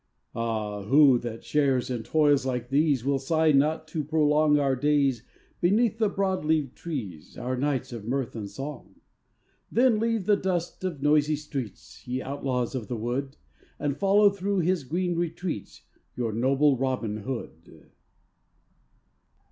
Ah, who that shares in toils like these Will sigh not to prolong Our days beneath the broad leaved trees, Our nights of mirth and song? Then leave the dust of noisy streets, Ye outlaws of the wood, And follow through his green retreats Your noble Robin Hood.